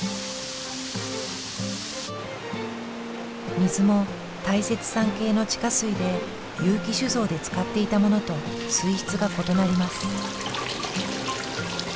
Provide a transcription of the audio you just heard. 水も大雪山系の地下水で結城酒造で使っていたものと水質が異なります。